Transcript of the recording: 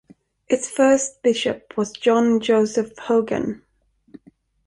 Its first bishop was John Joseph Hogan.